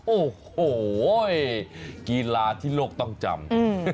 โอ้โหกีฬาที่โลกต้องจำ